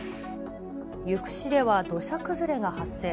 由布市では土砂崩れが発生。